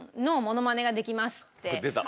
出た。